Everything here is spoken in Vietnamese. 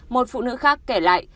một phụ nữ khác kể lại